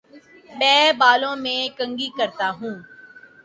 میں بالوں میں کنگھی کرتا ہوں